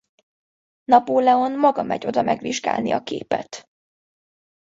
Napoleon maga megy oda megvizsgálni a képet.